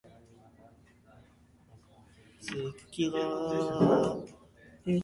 Now she studies at Chapman University.